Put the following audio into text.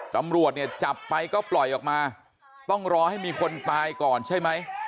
ตำรวจเนี่ยจับไปก็ปล่อยออกมาต้องรอให้มีคนตายก่อนใช่ไหม